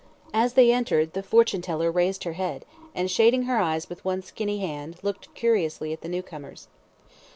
As they entered, the fortune teller raised her head, and, shading her eyes with one skinny hand, looked curiously at the new comers.